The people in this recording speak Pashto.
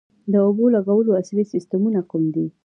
د اوبو لګولو عصري سیستمونه کوم دي؟